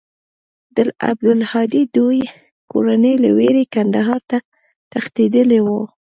د عبدالهادي دوى کورنۍ له وېرې کندهار ته تښتېدلې وه.